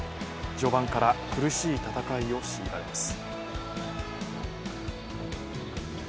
序盤から苦しい戦いを強いられます。